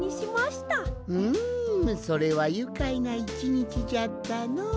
うんそれはゆかいな１にちじゃったのう。